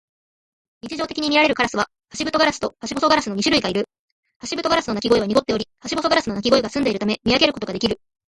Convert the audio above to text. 日常的にみられるカラスはハシブトガラスとハシボソガラスの二種類がいる。ハシブトガラスの鳴き声は濁っており、ハシボソガラスの鳴き声は澄んでいるため、見分けることができる。